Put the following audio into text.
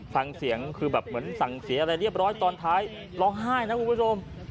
ฟังเสียงคือเหมือนฟังเสียงเรียบร้อยตอนท้ายน้องคุณผู้ชมร้องไห้